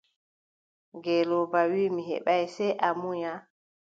Ngelooba wii: mi heɓaay, sey a munya.